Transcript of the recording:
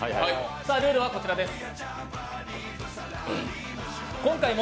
ルールはこちらです。